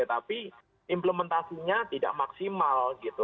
tapi implementasinya tidak maksimal gitu